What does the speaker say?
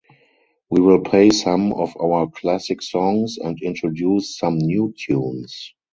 We will play some of our classic songs and introduce some new tunes!